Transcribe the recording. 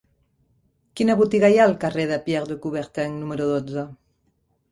Quina botiga hi ha al carrer de Pierre de Coubertin número dotze?